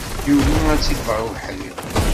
Yugi ad tt-iffeɣ ubeḥri.